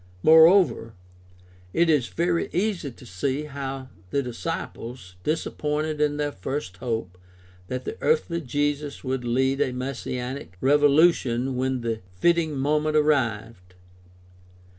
Moreover, it is very easy to see how the disciples, disappointed in their first hope that the earthly Jesus would lead a messianic revolution when the fitting moment arrived (cf.